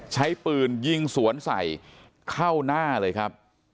ใช้ปืนยิงสวนใส่เข้าหน้าเลยครับ